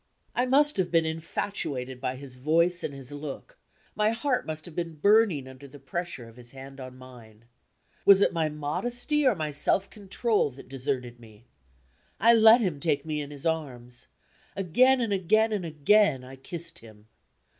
I must have been infatuated by his voice and his look; my heart must have been burning under the pressure of his hand on mine. Was it my modesty or my self control that deserted me? I let him take me in his arms. Again, and again, and again I kissed him.